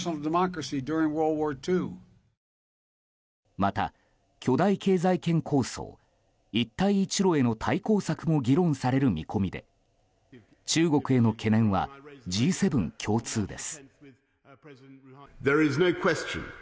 また巨大経済圏構想・一帯一路への対抗策も議論される見込みで中国への懸念はＧ７共通です。